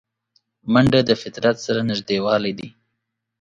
منډه د فطرت سره نږدېوالی دی